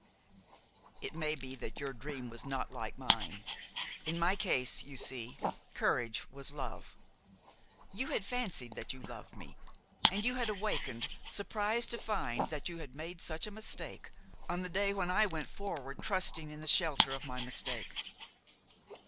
"It may be that your dream was not like mine; in my case, you see, courage was love. You had fancied that you loved me, and you had awakened, surprised to find that you had made such a mistake, on the day that I went forward trusting in the shelter of my mistake.